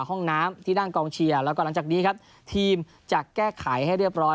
ห้องน้ำที่นั่งกองเชียร์แล้วก็หลังจากนี้ครับทีมจะแก้ไขให้เรียบร้อย